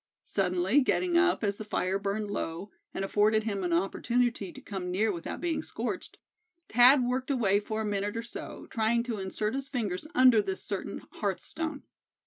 Suddenly getting up, as the fire burned low, and afforded him an opportunity to come near without being scorched, Thad worked away for a minute or so, trying to insert his fingers under this certain hearth stone.